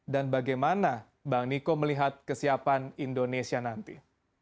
dan bagaimana bang niko melihat kesiapan indonesia nanti